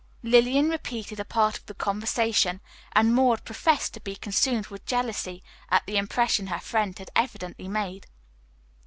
Lillian repeated a part of the conversation, and Maud professed to be consumed with jealousy at the impression her friend had evidently made.